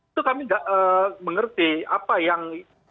itu kami tidak mengerti apa yang